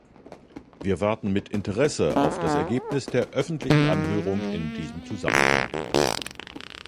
Wir warten mit Interesse auf das Ergebnis der öffentlichen Anhörung in diesem Zusammenhang.